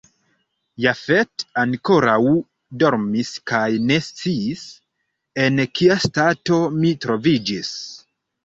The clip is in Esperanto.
Jafet ankoraŭ dormis kaj ne sciis, en kia stato mi troviĝis.